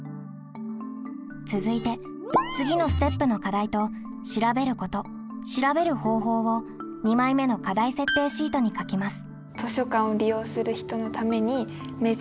続いて次のステップの課題と「調べること」「調べる方法」を２枚目の課題設定シートに書きます。